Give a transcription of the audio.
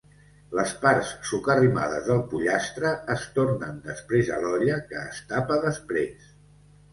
Les parts socarrimades del pollastre es tornen després a l'olla que es tapa després.